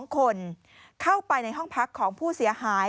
๒คนเข้าไปในห้องพักของผู้เสียหาย